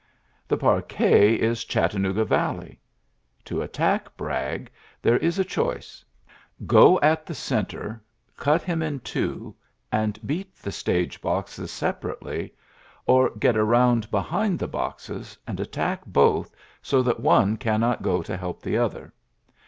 The parquet is Ghat nooga valley. To attack Bragg, tin is a choice. Go at the centre, cut fa in two, and beat the stage boxes sej rately, or get round behind the box and attack both, so that one cannot ULYSSES S. GEANT 89 to help the other.